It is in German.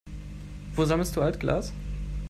Wo sammelst du Altglas?